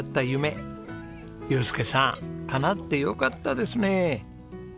祐介さんかなってよかったですね。